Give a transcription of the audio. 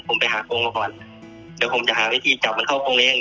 ผมไปหาโกงก่อนเดี๋ยวผมจะหาวิธีจับมันเข้าโกงได้ยัง